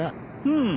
うん。